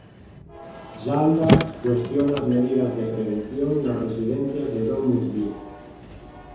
Jalda cuestiona as medidas de prevención nas residencias de DomusVi.